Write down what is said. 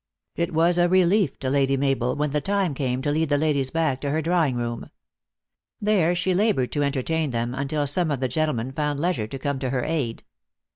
It was a relief to Lady Mabel when the time came to lead the ladies back to her drawing room. There she labored to entertain them until some of the gen tlemen found leisure to come to her aid.